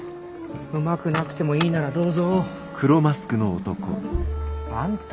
うまくなくてもいいならどうぞ。あんた。